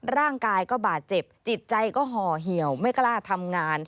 ร่างกายก็บาดเจ็บจิตใจก็ห่อเหี่ยวไม่กล้าทำงาน